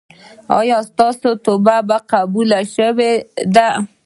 ایا ستاسو توبه قبوله شوې ده؟